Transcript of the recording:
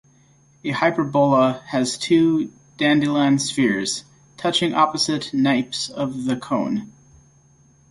A hyperbola has two Dandelin spheres, touching opposite nappes of the cone.